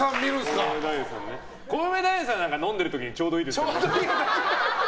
コウメ太夫さんなんかは飲んでる時にちょうどいいですよね。